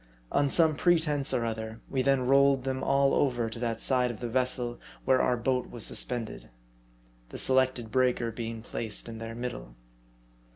On some pretense or other, we then rolled them all over to that side of the vessel where our boat was suspended, the selected breaker being placed in their middle.